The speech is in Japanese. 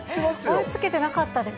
追いつけてなかったです。